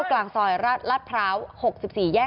กระทั่งตำรวจก็มาด้วยนะคะ